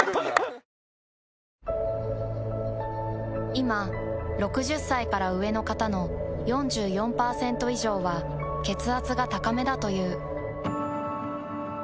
いま６０歳から上の方の４４％以上は血圧が高めだという。